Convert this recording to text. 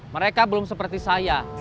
mereka belum seperti saya